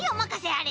あれ。